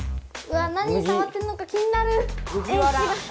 何さわってるのか気になる！